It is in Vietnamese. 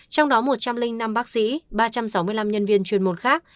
trong đó một trăm linh năm bác sĩ ba trăm sáu mươi năm nhân viên chuyên môn khác